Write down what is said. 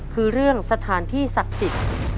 คือเรื่องสถานที่ศักดิ์สิทธิ์